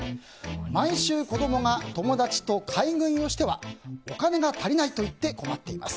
毎週子供が友達が買い食いをしてはお金が足りないといって困っています。